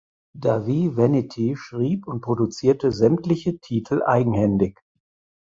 Dahvie Vanity schrieb und produzierte sämtliche Titel eigenhändig.